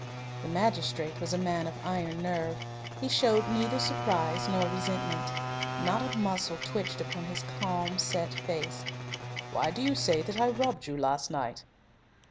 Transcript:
The magistrate was a man of iron nerve. He showed neither surprise nor resentment. Not a muscle twitched upon his calm, set face. "Why do you say that I robbed you last night?"